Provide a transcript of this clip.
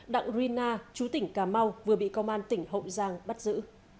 đặng rina chú tỉnh cà mau vừa bị công an tỉnh hậu giang bắt giữ